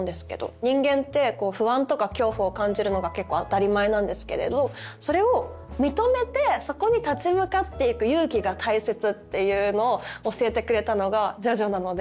人間ってこう不安とか恐怖を感じるのが結構当たり前なんですけれどそれを認めてそこに立ち向かっていく「勇気」が大切っていうのを教えてくれたのが「ジョジョ」なので。